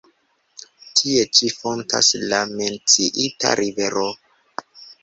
Tie ĉi fontas la menciita rivero.